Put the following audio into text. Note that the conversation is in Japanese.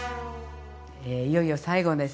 いよいよ最後です。